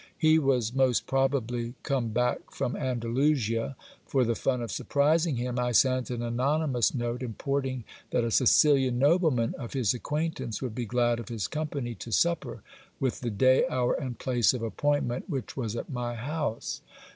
He was most probably come back from Anda lusia. For the fun of surprising him, I sent an anonymous note, importing that a Sicilian nobleman of his acquaintance would be glad of his company to supper, with the day, hour, and place of appointment, which was at my house.